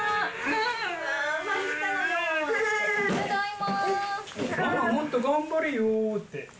ママもっと頑張れよって。